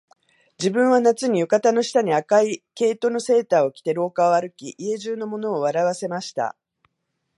自分は夏に、浴衣の下に赤い毛糸のセーターを着て廊下を歩き、家中の者を笑わせました